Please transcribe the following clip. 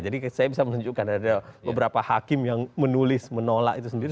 jadi saya bisa menunjukkan ada beberapa hakim yang menulis menolak itu sendiri